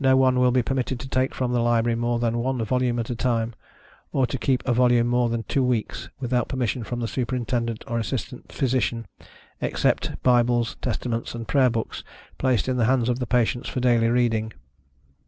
No one will be permitted to take from the library more than one volume at a time, or to keep a volume more than two weeks, without permission from the Superintendent or Assistant Physician, except Bibles, Testaments and Prayer books placed in the hands of the patients for daily reading.